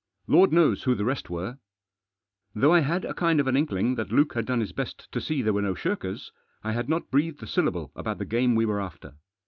Lord knows who the rest were. Though I had a kind of an inkling that Luke had done his best to see there were no shirkers, I had not breathed a syllable about the game we were after.